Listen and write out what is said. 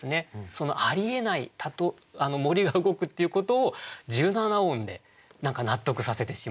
そのありえない森が動くっていうことを１７音で納得させてしまったというか。